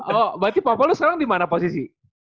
oh berarti papa lu sekarang di mana posisi